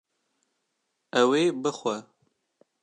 Ew ê bixwe